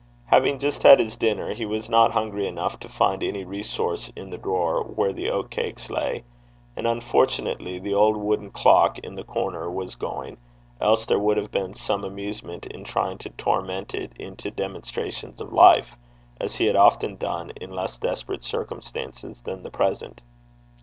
Having just had his dinner, he was not hungry enough to find any resource in the drawer where the oatcakes lay, and, unfortunately, the old wooden clock in the corner was going, else there would have been some amusement in trying to torment it into demonstrations of life, as he had often done in less desperate circumstances than the present.